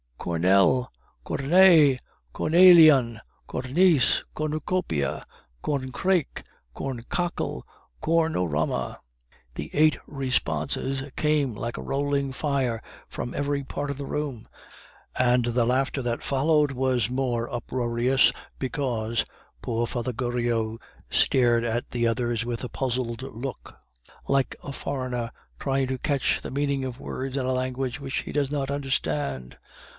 "Corn el." "Corn et." "Corn elian." "Corn ice." "Corn ucopia." "Corn crake." "Corn cockle." "Corn orama." The eight responses came like a rolling fire from every part of the room, and the laughter that followed was the more uproarious because poor Father Goriot stared at the others with a puzzled look, like a foreigner trying to catch the meaning of words in a language which he does not understand.